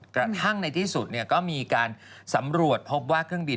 กระทั่งในที่สุดก็มีการสำรวจพบว่าเครื่องบิน